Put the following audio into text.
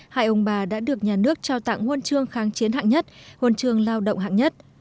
hai ông bà đã được nhà nước trao tặng huân chương kháng chiến hạng nhất huân chương lao động hạng nhất